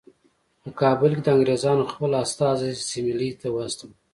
په کابل کې د انګریزانو خپل استازی سیملې ته واستاوه.